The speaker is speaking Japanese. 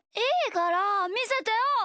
いいからみせてよ！